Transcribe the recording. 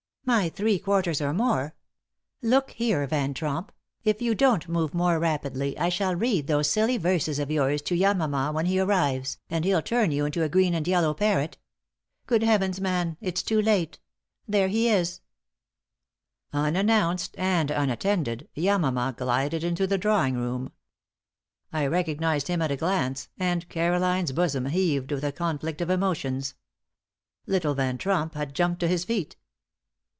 "My three quarters, or more. Look here, Van Tromp, if you don't move more rapidly I shall read those silly verses of yours to Yamama when he arrives, and he'll turn you into a green and yellow parrot. Good heavens, man, it's too late! There he is!" [Illustration: "Unannounced and unattended, Yamama glided into the drawing room."] Unannounced and unattended, Yamama glided into the drawing room. I recognized him at a glance, and Caroline's bosom heaved with a conflict of emotions. Little Van Tromp had jumped to his feet.